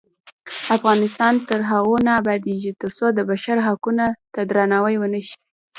افغانستان تر هغو نه ابادیږي، ترڅو د بشر حقونو ته درناوی ونشي.